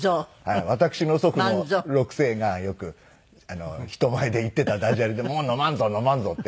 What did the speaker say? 私の祖父の六世がよく人前で言っていたダジャレで「もうのまんぞうのまんぞう」って。